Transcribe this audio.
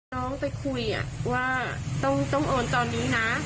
น้องไปคุยว่าต้องโอนตอนนี้นะ